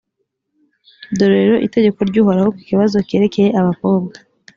dore rero itegeko ry’uhoraho ku kibazo cyerekeye abakobwa